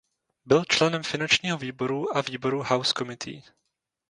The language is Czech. Byl členem finančního výboru a výboru House Committee.